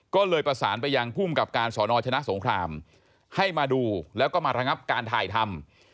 ก็เลยประสานไปยังภูมิกับการสอนอชนะสงครามให้มาดูแล้วก็มาระงับการถ่ายทำ